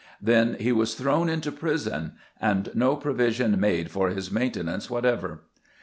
Then was he thrown into prison ... and no provision made for his maintenance whatever."